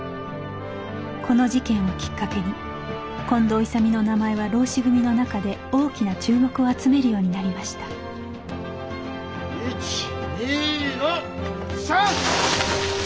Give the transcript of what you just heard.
この事件をきっかけに近藤勇の名前は浪士組の中で大きな注目を集めるようになりました１２の３！